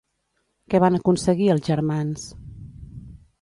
Què van aconseguir els germans?